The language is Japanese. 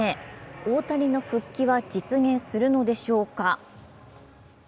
大谷の復帰は実現するのでしょうか。